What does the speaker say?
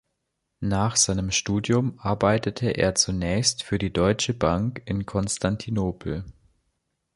Nach seinem Studium arbeitete er zunächst für die Deutsche Bank in Konstantinopel.